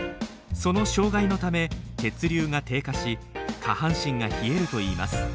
その障害のため血流が低下し下半身が冷えるといいます。